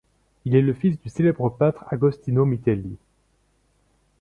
Il est le fils du célèbre peintre Agostino Mitelli.